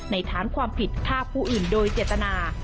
ฐานความผิดฆ่าผู้อื่นโดยเจตนา